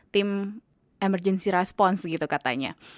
tim emergency response gitu katanya